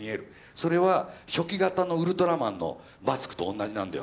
それは初期型のウルトラマンのマスクと同じなんだよ。